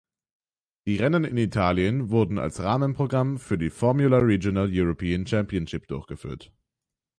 Die Rennen in Italien wurden als Rahmenprogramm für die Formula Regional European Championship durchgeführt.